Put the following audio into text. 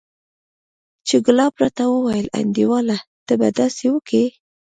چې ګلاب راته وويل انډيواله ته به داسې وکې.